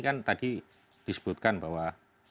kan tadi disebutkan bahwa